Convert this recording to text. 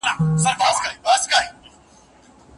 که استاد تشویق وکړي.